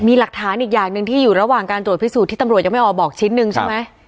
มีหลักฐานอีกอย่างหนึ่งที่อยู่ระหว่างการตรวจพิสูจน์ที่ตำรวจยังไม่ออกบอกชิ้นหนึ่งใช่ไหม